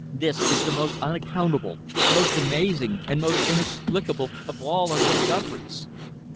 This is the most unaccountable, most amazing and most inexplicable of all our discoveries."